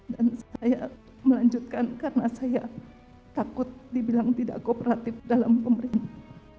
dan saya melanjutkan karena saya takut dibilang tidak kooperatif dalam pemerintah